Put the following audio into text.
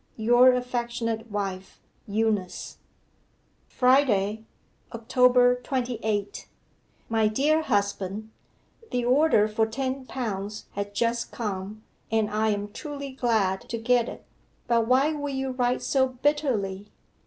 Your affectionate wife, EUNICE.' 'FRIDAY, October 28. 'MY DEAR HUSBAND, The order for ten pounds has just come, and I am truly glad to get it. But why will you write so bitterly?